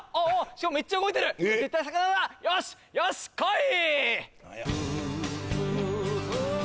しかもめっちゃ動いてる絶対魚だよしよし来い！